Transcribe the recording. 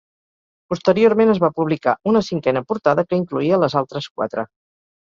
Posteriorment es va publicar una cinquena portada, que incloïa les altres quatre.